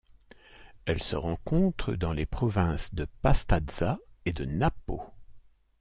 Elle se rencontre dans les provinces de Pastaza et de Napo.